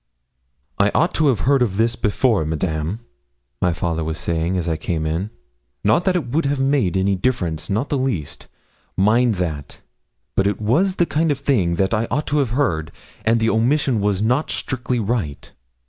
'I ought to have heard of this before, Madame,' my father was saying as I came in; 'not that it would have made any difference not the least; mind that. But it was the kind of thing that I ought to have heard, and the omission was not strictly right.'